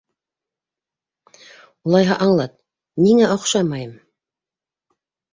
Улайһа, аңлат, ниңә оҡшамайым.